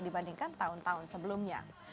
dibandingkan tahun tahun sebelumnya